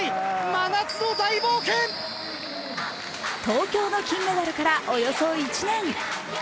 東京の金メダルからおよそ１年。